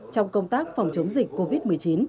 trong công tác phòng chống dịch covid một mươi chín